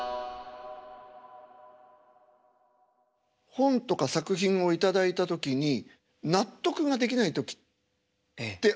本とか作品を頂いた時に納得ができない時ってあると思うんですよ。